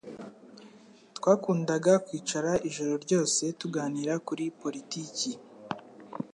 Twakundaga kwicara ijoro ryose tuganira kuri politiki.